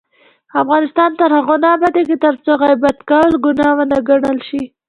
افغانستان تر هغو نه ابادیږي، ترڅو غیبت کول ګناه وګڼل شي.